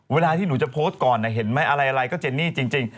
เวลาที่หนูจะโพสต์ก่อนเห็นไหมอะไรก็เจนนี่จริง